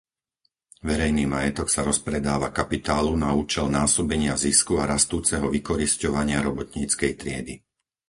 Verejný majetok sa rozpredáva kapitálu na účel násobenia zisku a rastúceho vykorisťovania robotníckej triedy.